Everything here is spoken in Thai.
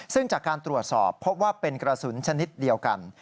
ซึ่งจากการตรวจสอบพบว่าเป็นกระสุนชนิดเดียวกัน